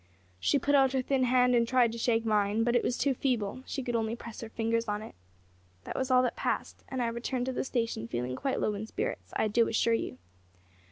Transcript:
She put out her thin hand and tried to shake mine, but it was too feeble; she could only press her fingers on it. That was all that passed, and I returned to the station feeling quite in low spirits, I do assure you.